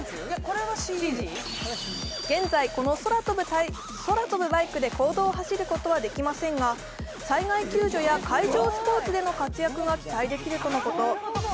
現在、この空飛ぶバイクで公道を走ることはできませんが、災害救助や海上スポーツでの活躍が期待できるとのこと。